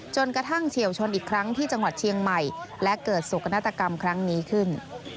จนกระทั่งเฉียวชนอีกครั้งในจังหวัดเชียงใหม่และเกิดสุขนตรักษณ์ครั้งนี้ขึ้น